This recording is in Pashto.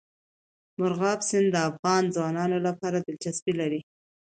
مورغاب سیند د افغان ځوانانو لپاره دلچسپي لري.